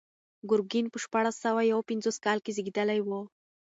ګورګین په شپاړس سوه یو پنځوس کال کې زېږېدلی و.